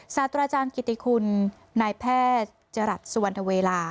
สัตว์อาจารย์กิติคุณนายแพทย์จรัสสวรรค์เวลา